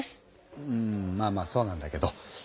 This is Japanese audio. うんまあまあそうなんだけど。